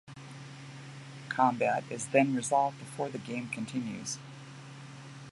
Combat is then resolved before the game continues.